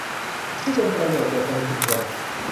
ที่เป็นประโยชน์แก่คนในชุมชน